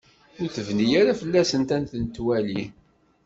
Ur tebni ara fell-asent ad tent-twali.